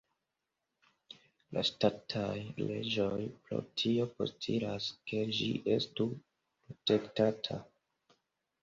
La ŝtataj leĝoj pro tio postulas ke ĝi estu protektata.